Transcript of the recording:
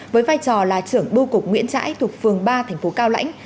với vai trò là trưởng bưu cục nguyễn trãi thuộc phường ba thành phố cao lãnh